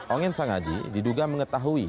ongen sanghaji diduga mengetahui